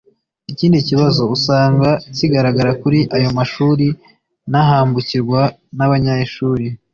Ikindi kibazo usanga kigaragara kuri ayo mashuri n’ahambukirwa n’abanyeshuri